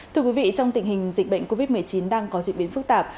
thưa quý vị trong tình hình dịch bệnh covid một mươi chín đang có diễn biến phức tạp